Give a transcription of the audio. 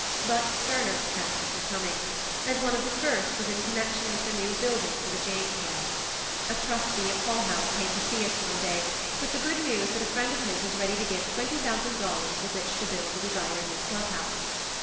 But sterner tests were coming, and one of the first was in connection with the new building for the Jane Club. A trustee of Hull House came to see us one day with the good news that a friend of his was ready to give twenty thousand dollars with which to build the desired new clubhouse.